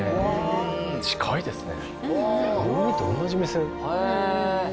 近いですね。